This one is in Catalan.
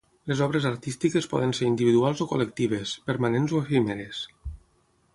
Les obres artístiques poden ser individuals o col·lectives, permanents o efímeres.